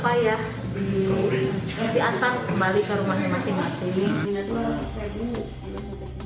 supaya mereka bisa diantar kembali ke rumahnya masing masing